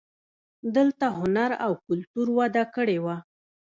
دلته هنر او کلتور وده کړې وه